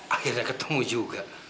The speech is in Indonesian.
akhirnya ketemu juga